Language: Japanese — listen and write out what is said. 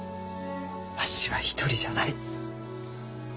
わしは一人じゃない。